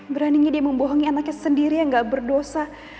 beraninya dia membohongi anaknya sendiri yang gak berdosa